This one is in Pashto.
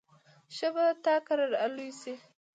ښه به تا کره را لوی شي.